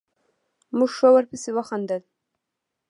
موږ ښه ورپسې وخندل.